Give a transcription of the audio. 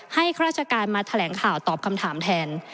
ข้าราชการมาแถลงข่าวตอบคำถามแทน